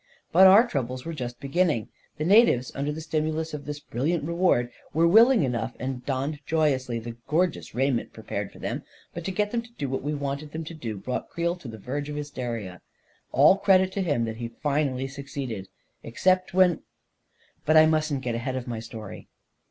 But our troubles were just beginning. The na tives, under the stimulus of this brilliant reward, were willing enough and donned joyously the gor geous raiment prepared for them, but to get them to do what we wanted them to do brought Creel to the verge of hysteria. All credit to him that he finally succeeded, except when ••. but I mustn't get ahead of my story.